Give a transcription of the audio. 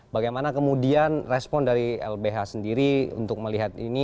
bagaimana kemudian respon dari lbh sendiri untuk melihat ini